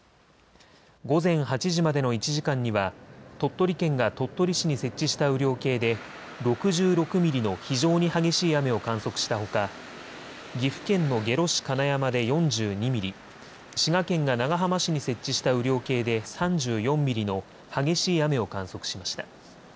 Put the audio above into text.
午前８時までの１時間には鳥取県が鳥取市に設置した雨量計で６６ミリの非常に激しい雨を観測したほか岐阜県の下呂市金山で４２ミリ、滋賀県が長浜市に設置した雨量計で３４ミリの激しい雨を観測しました。